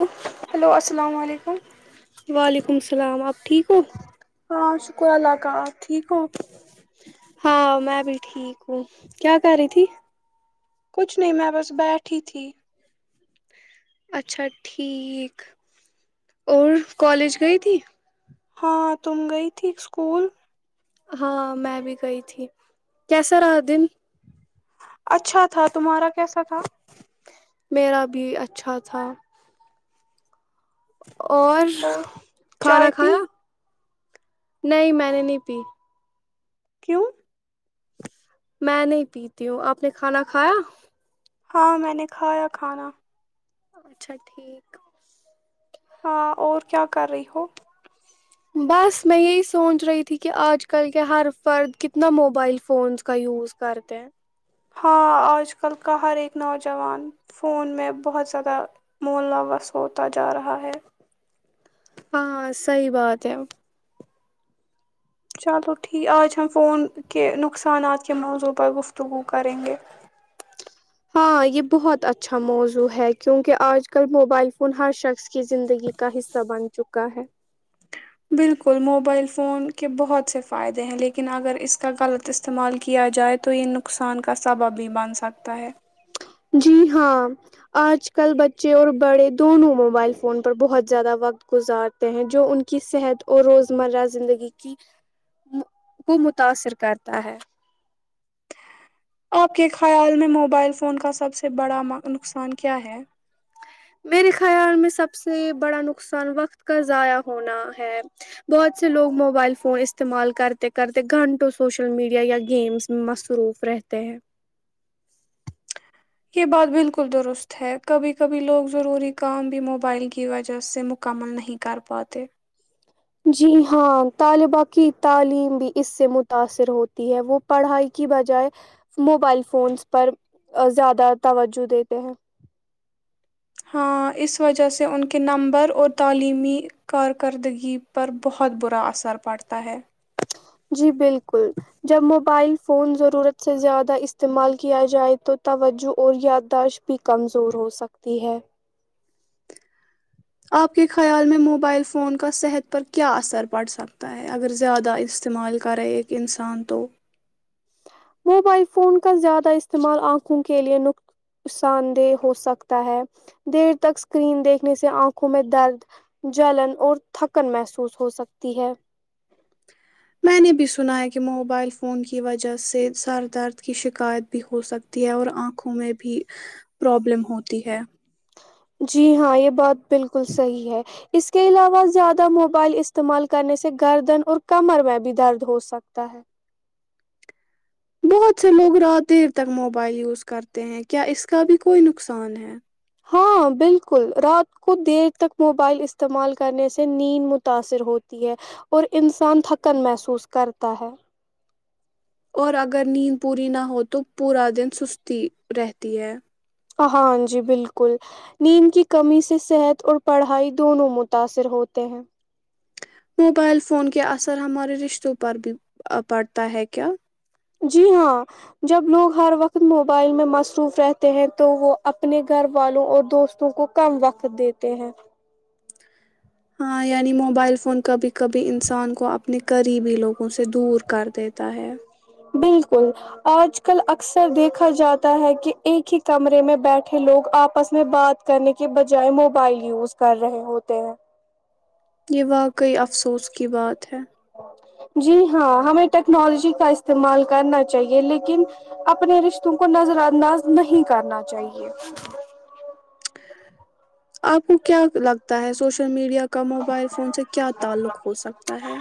لو hello السلام علیکم وعلیکم السلام آپ ٹھیک ہو کوئی الاقا ٹھیک ہو ہاں میں بھی ٹھیک ہوں کیا کر رہی تھی کچھ نہیں میں بس بیٹھی تھی اچھا ٹھیک اور کالج گئی تھی ہاں تم گئی تھی اسکول ہاں میں بھی گئی تھی کیسا رہا دن اچھا تھا تمہارا کیسا تھا میرا بھی اچھا تھا اور کھانا چائے پی کھایا نہیں میں نے نہیں پی کیوں میں نہیں پیتی ہوں آپ نے کھانا کھایا ہاں میں نے کھایا کھانا اچھا ٹھیک ہاں اور کیا کر رہی ہو بس میں یہی سوچ رہی تھی کہ آج کل کے ہر فرد کتنا موبائل فونس کا یوز کرتے ہیں ہاں آج کل کا ہر ایک نوجوان فون میں بہت زیادہ ملاوث ہوتا جا رہا ہے ہاں صحی بات ہے چلو ٹھیک آج ہم فون کے نقصانات کے موضوع پر گفتگو کریں گے ہاں یہ بہت اچھا موضوع ہے کیونکہ آج کل موبائل فون ہر شخص کی زندگی کا حصہ بن چکا ہے بالکل موبائل فون کے بہت سے فائدے ہیں لیکن اگر اس کا غلط استعمال کیا جائے تو یہ نقصان کا سبب بھی بن سکتا ہے جی ہاں آج کل بچے اور بڑے دونوں موبائل فون پر بہت زیادہ وقت گزارتے ہیں جو ان کی صحت اور روز مرہ زندگی کی کو متاثر کرتا ہے آپ کے خیال میں موبائل فون کا سب سے بڑا نقصان کیا ہے میرے خیال میں سب سے بڑا نقصان وقت کا ضائع ہونا ہے بہت سے لوگ موبائل فون استعمال کرتے کرتے گھنٹوں سوشل میڈیا یا گیمس میں مصروف رہتے ہیں [unintelligible] جی ہاں طالبا کی تعلیم بھی اس سے متاثر ہوتی ہے وہ پڑھائی کی بجائے موبائل فونس پر زیادہ توجہ دیتے ہیں ہاں اس وجہ سے ان کے نمبر اور تعلیمی کارکردگی پر بہت برا اثر پڑتا ہے جی بالکل جب موبائل فون ضرورت سے زیادہ استعمال کیا جائے تو توجہ اور یادداشت بھی کمزور ہو سکتی ہے آپ کے خیال میں موبائل فون کا صحت پر کیا اثر پڑ سکتا ہے اگر زیادہ استعمال کریں ایک انسان تو موبائل فون کا زیادہ استعمال آنکھوں کےلئے نقصان دہ ہوسکتا ہے دیر تک سکرین دیکھنے سے آنکھوں میں درد جلن اور تھکن محسوس ہوسکتی ہے میں نے بھی سنا ہے کہ موبائل فون کی وجہ سے سر درد کی شکایت بھی ہوسکتی ہے اور آنکھوں میں بھی پرابلم ہوتی ہے جی ہاں یہ بات بالکل صحیح ہے اس کے علاوہ زیادہ موبائل استعمال کرنے سے گردن اور کمر میں بھی درد ہو سکتا ہے بہت سے لوگ رات دیر تک موبائل یوز کرتے ہیں کیا اس کا بھی کوئی نقصان ہے ہاں بالکل رات کو دیر تک موبائل استعمال کرنے سے نیند متاثر ہوتی ہے اور انسان تھکن محسوس کرتا ہے اور اگر نیند پوری نہ ہو تو پورا دن سستی رہتی ہے ہاں جی بالکل نیند کی کمی سے صحت اور پڑھائی دونوں متاثر ہوتے ہیں موبائل فون کے اثر ہمارے رشتوں پر بھی پڑتا ہے کیا جی ہاں جب لوگ ہر وقت موبائل میں مصروف رہتے ہیں تو وہ اپنے گھر والوں اور دوستوں کو کم وقت دیتے ہیں ہاں یعنی موبائل فون کبھی کبھی انسان کو اپنے قریبی لوگوں سے دور کر دیتا ہے بالکل آج کل اکثر دیکھا جاتا ہے کہ ایک ہی کمرے میں بیٹھے لوگ آپس میں بات کرنے کے بجائے موبائل یوز کر رہے ہوتے ہیں یہ واقعی افسوس کی بات ہے جی ہاں ہمیں ٹیکنالوجی کا استعمال کرنا چاہیے لیکن اپنے رشتوں کو نظر انداز نہیں کرنا چاہیے آپ کو کیا لگتا ہے سوشل میڈیا کا موبائل فون سے کیا تعلق ہو سکتا ہے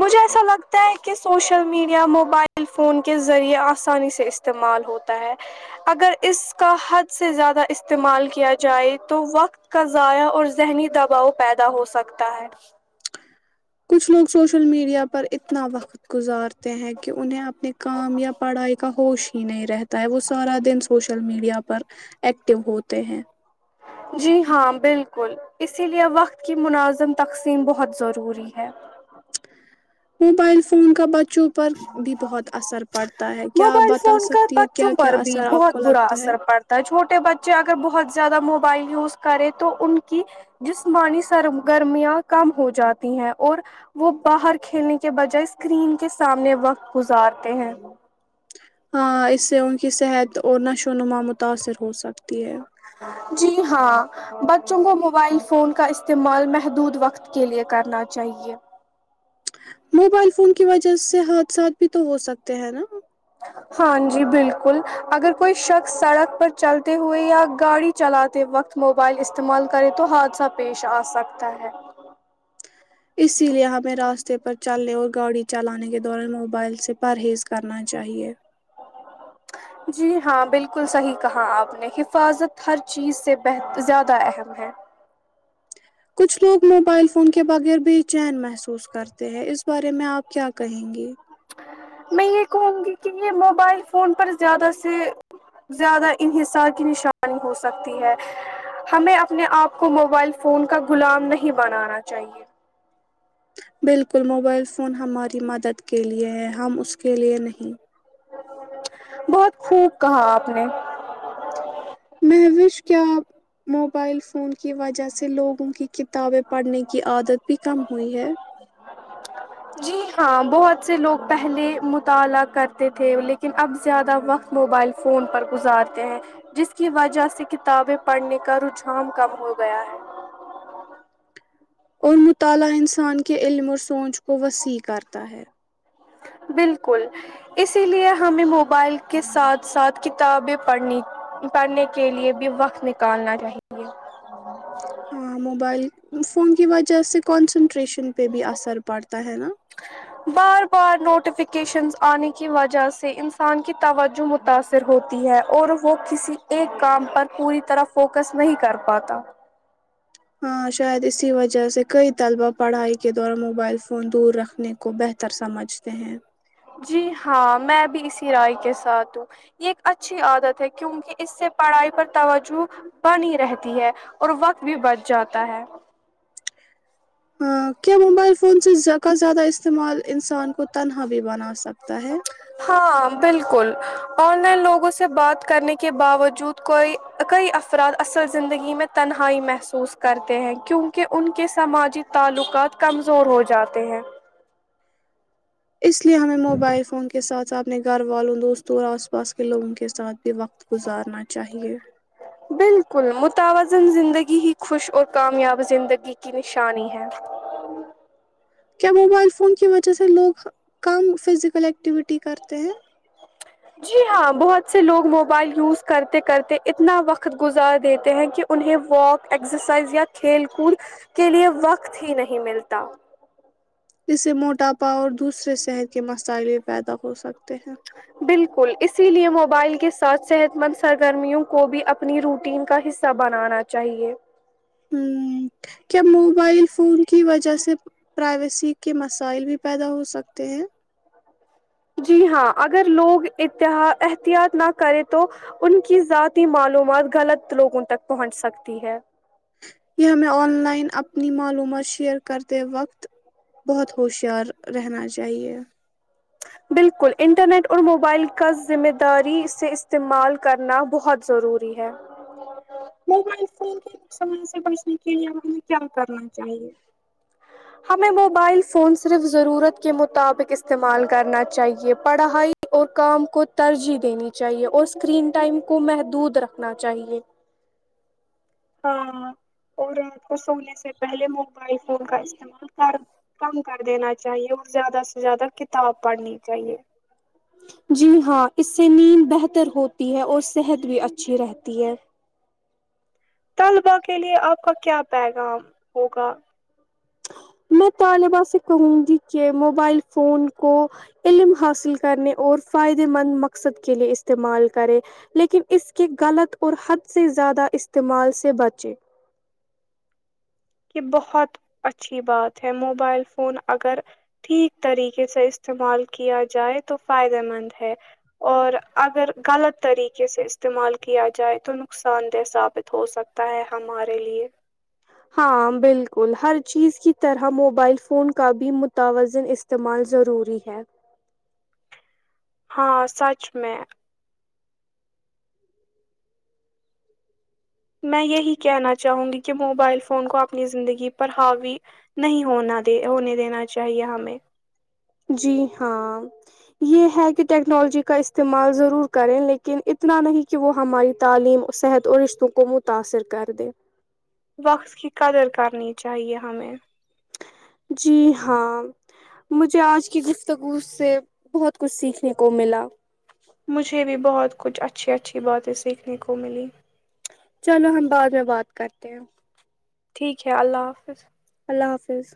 مجھے ایسا لگتا ہے کہ سوشل میڈیا موبائل فون کے ذریعے آسانی سے استعمال ہوتا ہے اگر اس کا حد سے زیادہ استعمال کیا جائے تو وقت کا ضائع اور ذہنی دباؤ پیدا ہو سکتا ہے کچھ لوگ سوشل میڈیا پر اتنا وقت گزارتے ہیں کہ انہیں اپنے کام یا پڑھائی کا ہوش ہی نہیں رہتا ہے وہ سارا دن سوشل میڈیا پر ایکٹو ہوتے ہیں جی ہاں بالکل اسی لیے وقت کی مناظم تقسیم بہت ضروری ہے موبائل فون کا ب بچوں پر بھی بہت اثر پڑتا ہے کیا آپ موبائل بتا فون کا سکتی ہے بچوں کیا کیا پر بھی اثر آپ بہت کو برا لگتا ہے اثر پڑتا چھوٹے بچے اگر بہت زیادہ موبائل یوز کرے تو ان کی جسمانی سرگررمیاں کم ہو جاتی ہیں اور وہ باہر کھیلنے کے بجائے اسکرین کے سامنے وقت گزارتے ہیں ہاں اس سے ان کی صحت اور نشو وونما متاثر ہو سکے جی ہاں بچوں کو موبائل فون کا استعمال محدود وقت کے لیے کرنا چاہیے موبائل فون کی وجہ سے حادثات بھی تو ہو سکتے ہیں نا ہاں جی بالکل اگر کوئی شخص سڑک پر چلتے ہوئے یا گاڑی چلاتے وقت موبائل استعمال کرے تو حادثہ پیش آ سکتا ہے اسی لیے ہمیں راستے پر چلنے اور گاڑی چلانے کے دوران موبائل سے پرہیز کرنا چاہیئے جی ہاں بالکل صحیح کہا آپ نے حفاظت ہر چیز سے زیادہ اہم ہے کچھ لوگ موبائل فون کے بغیر بے چین محسوس کرتے ہیں اس بارے میں آپ کیا کہیں گے میں یہ کہوں گی کہ یہ موبائل فون پر زیادہ سے زیادہ انحصار کی نشانی ہو سکتی ہے ہمیں اپنے آپ کو موبائل فون کا غلام نہیں بنانا چاہیے بالکل موبائل فون ہماری مدد کے لیئے ہے ہم اس کے لیے نہیں بہت پھونک کہا آپ نے محوش کیا موبائل فون کی وجہ سے لوگوں کی کتابیں پڑھنے کی عادت بھی کم ہوئی ہے جی ہاں بہت سے لوگ پہلے مطالعہ کرتے تھے لیکن اب زیادہ وقت موبائل فون پر گزارتے ہیں جس کی وجہ سے کتابیں پڑھنے کا رجھام کب ہو گیا ہے اور مطالعہ انسان کے علم اور سوچ کو وسیع کرتا ہے بالکل اسی لیے ہمیں موبائل کے ساتھ ساتھ کتابیں پڑھنے کے لیئے بھی وقت نکالنا چاہیئے ہ ہاں موبائل فون کی وجہ سے کون سا ریشن پہ بھی اثر پڑتا ہے نا بار بار نوٹیفیکیشنز آنے کی وجہ سے انسان کی توجہ متاثر ہوتی ہے اور وہ کسی ایک کام پر پوری طرح فوکس نہیں کر پاتا ہاں شاید اسی وجہ سے کئی طلبہ پڑھائی کے دوران موبائل فون دور رکھنے کو بہتر سمجھتے ہیں جی ہاں میں بھی اسی رائے کے ساتھ ہوں یہ ایک اچھی عادت ہے کیونکہ اس سے پڑھائی پر توجہ بنی رہتی ہے اور وقت بھی بچھ جاتا ہے ہاں کیا موبائل فون سے کا زیادہ استعمال انسان کو تنہا بھی بنا سکتا ہے ہاں بالکل آن لائن لوگوں سے بات کرنے کے باوجود کئی افراد اصل زندگی میں تنہائی محسوس کرتے ہیں کیونکہ ان کے سماجی تعلقات کمزور ہو جاتے ہیں اس لیے ہمیں موبائل فون کے ساتھ آپ اپنے گھر والوں دوستوں اور آس پاس کے لوگوں کے ساتھ پ وقت گزارنا چاہیے [inaudible] کیا موبائل فون کی وجہ سے لوگ کم فزیکل ایکٹیویٹی کرتے ہیں جی ہاں بہت سے لوگ موبائل یوز کرتے کرتے اتنا وقت گزار دیتے ہیں کہ انہیں واک ایکسرسائز یا کھیل کود کے لیئے وقت ہی نہیں ملتا جس سے موٹاپا اور دوسرے صحت کے مسائلے پیدا ہو سکتے ہیں بالکل اس اسی لیے موبائل کے ساتھ صحت مند سرگرمیوں کو بھی اپنی روٹین کا حصہ بنانا چاہیے ہ کیا موبائل فون کی وجہ سے پرائیویسی کے مسائل بھی پیدا ہو سکتے ہیں جی ہاں اگر لوگ احتیاط نہ کریں تو ان کی ذاتی معلومات غلط لوگوں تک پہنچ سکتی ہے یہ ہمیں آن لائن اپنی معلومات شیئر کرتے وقت بہت ہوشیار رہنا چاہیے بالکل انٹرنیٹ اور موبائل کا ذمہ داری سے استعمال کرنا بہت ضروری ہے موبائل فون کے ن سمان سے بچنے کے لیے ہمیں کیا کرنا چاہیے ہمیں موبائل فون صرف ضرورت کے مطابق استعمال کرنا چاہیے پڑھائی اور کام کو ترجیح دینی چاہیے اور اسکرین ٹائم کو محدود رکھنا چاہیے ہاں اور رات کو سونے سے پہلے م بئی فون کا استعمال کر کم کر دینا چاہیے اور زیادہ سے زیادہ کتاب پڑھنی چاہیے جی ہاں اس سے نیند بہتر ہوتی ہے اور صحت بھی اچھی رہتی ہے طلباء کے لیے آپ کا کیا پیغام ہوگا میں طالبہ سے کہوں گی کہ موبائل فون کو علم حاصل کرنے اور فائدہ مند مقصد کیلئے استعمال کرے لیکن اس کے غلط اور حد سے زیادہ استعمال سے بچیں کہ بہت اچھی بات ہے موبائل فون اگر ٹھیک طریقے سے استعمال کیا جائے تو فائدہ مند ہے اور اگر غلط طریقے سے استعمال کیا جائے تو نقصان دہ ثابت ہو سکتا ہے ہمارے لیے ہاں بالکل ہر چیز کی طرح موبائل فون کا بھی متوازن استعمال ضروری ہے ہاں سوچ میں میں یہی کہنا چاہوں گی کہ موبائل فون کو اپنی زندگی پر حاوی نہیں ہونے دینا چاہیئے ہمیں جی ہاں یہ ہے کہ ٹیکنالوجی کا استعمال ضرور کریں لیکن اتنا نہیں کہ وہ ہماری تعلیم صحت اور رشتوں کو متاثر کر دے وقت کی قدر کرنی چاہیے ہمیں جی ہاں مجھے آج کی گفتگو سے بہت کچھ سیکھنے کو ملا مجھے بھی بہت کچھ اچھی اچھی باتیں سیکھنے کو ملییں چلو ہم بعد میں بات کرتے ہیں ٹھیک ہے اللہ حافظ اللہ حافظ